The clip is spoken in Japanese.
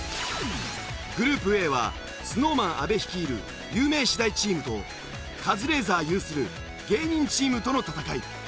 グループＡはＳｎｏｗＭａｎ阿部率いる有名私大チームとカズレーザー有する芸人チームとの戦い。